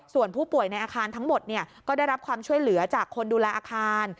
ส่วนผู้ป่วยในอาคารทั้งหมดก็ได้รับความช่วยเหลือจากคนดูแลอาคาร